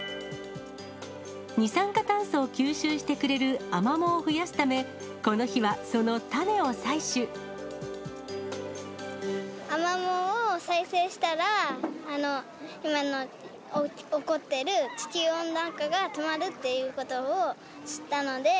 二酸化炭素を吸収してくれるアマモを増やすため、この日はその種アマモを再生したら、今起こってる地球温暖化が止まるっていうことを知ったので。